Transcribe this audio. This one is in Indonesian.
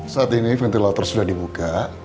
saat ini ventilator sudah dibuka